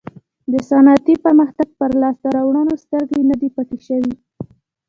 د صنعتي پرمختګ پر لاسته راوړنو سترګې نه دي پټې شوې.